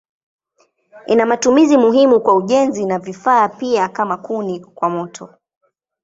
Ina matumizi muhimu kwa ujenzi na vifaa pia kama kuni kwa moto.